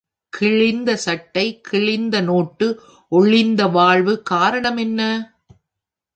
கிழிந்த சட்டை, கிழிந்த நோட்டு, ஒழிந்த வாழ்வு காரணம் என்ன?